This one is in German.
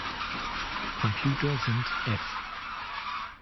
Computer sind f